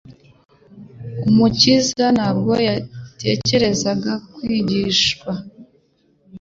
Umukiza ntabwo yakerensaga kwigishwa